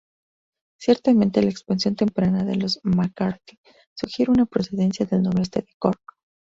Ciertamente la expansión temprana de los MacCarthy sugiere una procedencia del noroeste de Cork.